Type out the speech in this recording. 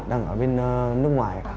đang ở bên nước ngoài